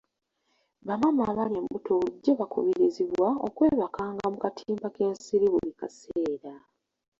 Bamaama abali embuto bulijjo bakubirizibwa okwebakanga mu katimba k'ensiri buli kaseera.